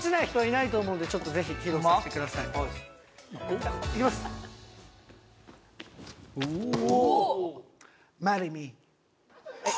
なるほどと思うんでちょっとぜひ披露させてくださいいきますおお！